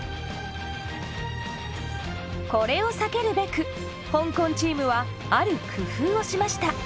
これを避けるべく香港チームはある工夫をしました。